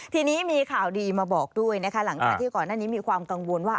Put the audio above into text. ทีนี้มีข่าวดีมาบอกด้วยวันหน้านี้มีความกังวลว่า